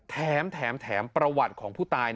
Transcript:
แถมประวัติของผู้ตาย